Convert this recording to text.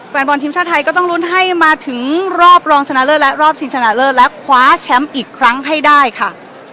แฟนบอลทีมชาติไทยก็ต้องลุ้นให้มาถึงรอบรองชนะเลิศและรอบชิงชนะเลิศและคว้าแชมป์อีกครั้งให้ได้ค่ะ